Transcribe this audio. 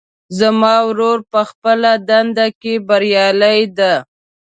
زما ورور په خپله دنده کې بریالی ده